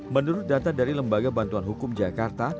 menurut data dari lembaga bantuan hukum jakarta